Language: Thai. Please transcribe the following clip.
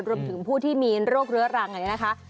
รวมถึงผู้ที่มีโรคเรื้อรังอันนี้นะคะ